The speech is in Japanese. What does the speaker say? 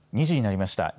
２時になりました。